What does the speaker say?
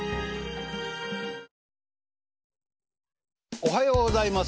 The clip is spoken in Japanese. おはようございます。